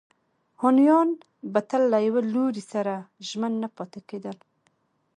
هونیان به تل له یوه لوري سره ژمن نه پاتې کېدل.